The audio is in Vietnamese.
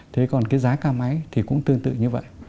thế còn cái giá ca máy thì cũng tương tự như vậy